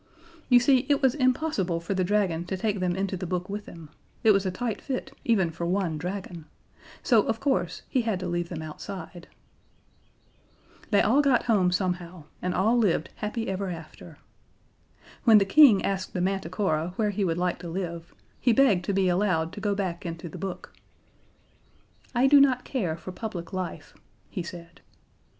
You see, it was impossible for the Dragon to take them into the book with him it was a tight fit even for one Dragon so, of course, he had to leave them outside. They all got home somehow, and all lived happy ever after. When the King asked the Manticora where he would like to live he begged to be allowed to go back into the book. "I do not care for public life," he said.